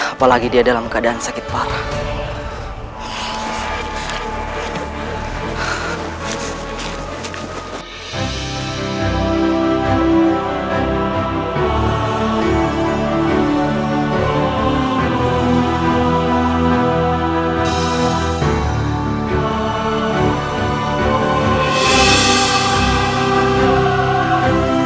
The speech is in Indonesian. apalagi dia dalam keadaan sakit parah